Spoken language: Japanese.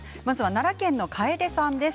奈良県の方からです。